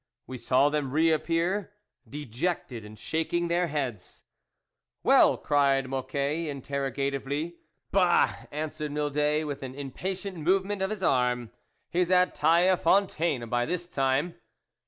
We saw them reappear, dejected, and shaking their heads. " Well ?" cried Mocquet interroga tively. " Bah !" answered Mildet, with an im patient movement of his arm, " he's at Taille Fontaine by this time."